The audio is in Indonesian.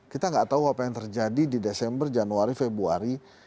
kita gak tahu apa yang terjadi di desember januari februari maret april gitu